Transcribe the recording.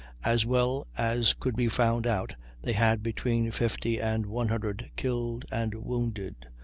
As well as could be found out they had between 50 and 100 killed and wounded.